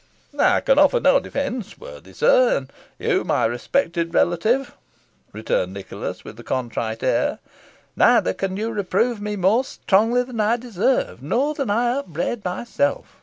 "I can offer no defence, worthy sir, and you my respected relative," returned Nicholas, with a contrite air; "neither can you reprove me more strongly than I deserve, nor than I upbraid myself.